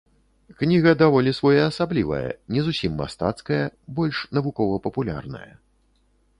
Кніга даволі своеасаблівая, не зусім мастацкая, больш навукова-папулярная.